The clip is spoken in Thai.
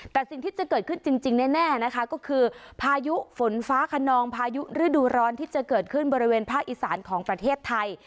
แต่สิ่งที่จะเกิดขึ้นจริงแน่นะคะก็คือพายุฝนฟ้าขนองพายุฤดูร้อนที่จะเกิดขึ้นบริเวณภาคอีสานของประเทศไทย